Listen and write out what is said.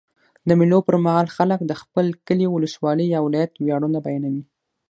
د مېلو پر مهال خلک د خپل کلي، اولسوالۍ یا ولایت ویاړونه بیانوي.